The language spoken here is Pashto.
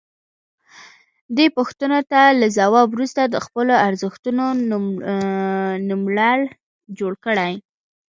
دې پوښتنو ته له ځواب وروسته د خپلو ارزښتونو نوملړ جوړ کړئ.